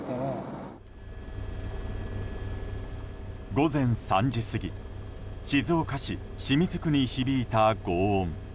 午前３時過ぎ静岡市清水区に響いた轟音。